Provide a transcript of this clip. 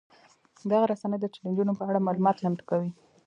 دغه رسنۍ د چلنجونو په اړه معلومات چمتو کوي.